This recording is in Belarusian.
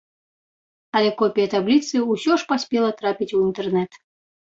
Але копія табліцы ўсё ж паспела трапіць у інтэрнэт.